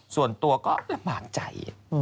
ส่วนตัวก็จะบางใจ